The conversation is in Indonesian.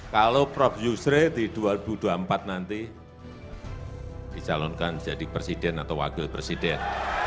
kalau prof yusri di dua ribu dua puluh empat nanti dicalonkan jadi presiden atau wakil presiden